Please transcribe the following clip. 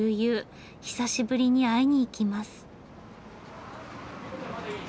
久しぶりに会いに行きます。